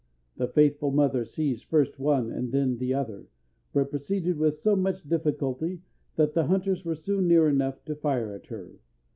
The faithful mother seized first one and then the other, but proceeded with so much difficulty that the hunters were soon near enough to fire at her.